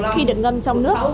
khi được ngâm trong nước